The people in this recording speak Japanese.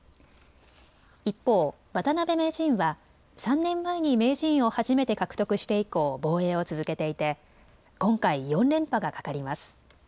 一方、渡辺名人は３年前に名人を初めて獲得して以降、防衛を続けていて今回４連覇がかかります。